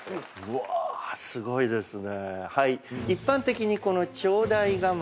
うわすごいですね。